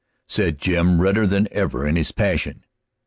said Jim, redder than ever in his passion.